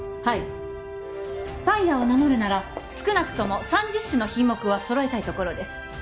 はいパン屋を名乗るなら少なくとも３０種の品目は揃えたいところです